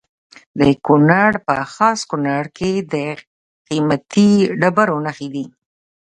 د کونړ په خاص کونړ کې د قیمتي ډبرو نښې دي.